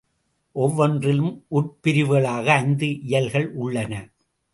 ஒவ்வொன்றிலும் உட்பிரிவுகளாக ஐந்து இயல்கள் உள்ளன.